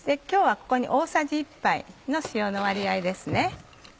今日はここに大さじ１杯の塩の割合ですね。